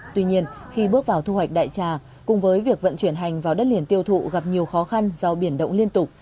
tuy nhiên khi bước vào thu hoạch đại trà cùng với việc vận chuyển hành vào đất liền tiêu thụ gặp nhiều khó khăn do biển động liên tục